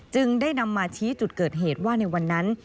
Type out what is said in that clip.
จึงได้นำมาชี้จุดเกิดเหตุว่าในวันนั้น